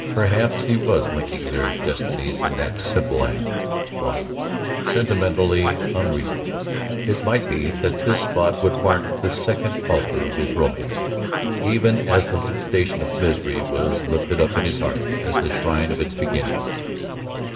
Perhaps he was linking their destinies in that simple act, he thought, sentimentally unreasonable; it might be that this spot would mark the second altar of his romance, even as the little station of Misery was lifted up in his heart as the shrine of its beginning.